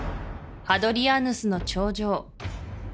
ハドリアヌスの長城